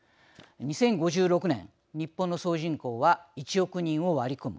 ２０５６年、日本の総人口は１億人を割り込む。